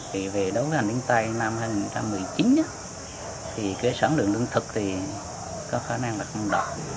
vì về đấu hành đứng tay năm hai nghìn một mươi chín thì cái sản lượng lương thực thì có khả năng là không đọc